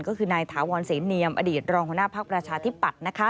ก็คือนายถาวรเสนเนียมอดีตรองคณะภาคประชาที่ปัด